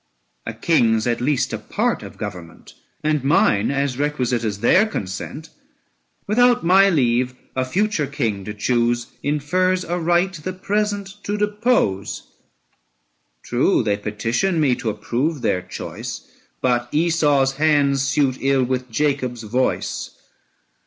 A king's at least a part of government, And mine as requisite as their consent : Without my leave a future king to choose Infers a right the present to depose. 980 True, they petition me to approve their choice : But Esau's hands suit ill with Jacob's voice.